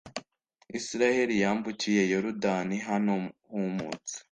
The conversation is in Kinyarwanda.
israheli yambukiye yorudani hano humutse